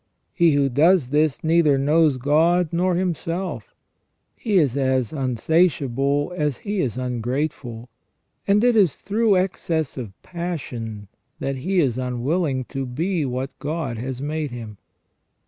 He who does this neither knows God nor himself ; he is as unsatiable as he is ungrateful, and it is through excess of passion that he is unwilling to be what God has made him.